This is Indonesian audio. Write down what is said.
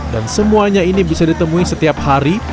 dan semuanya ini bisa ditemui setiap hari